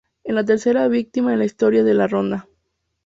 Es la tercera víctima en la historia de la ronda.